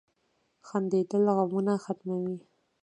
• خندېدل غمونه ختموي.